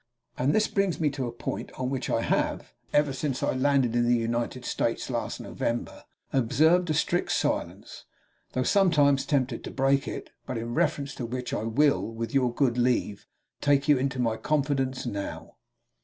And this brings me to a point on which I have, ever since I landed in the United States last November, observed a strict silence, though sometimes tempted to break it, but in reference to which I will, with your good leave, take you into my confidence now.